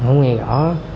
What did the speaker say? không nghe rõ